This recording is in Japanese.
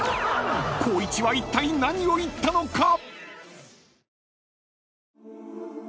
［光一はいったい何を言ったのか？］